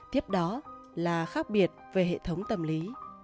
tiếp đó là khác biệt về hệ thống tâm lý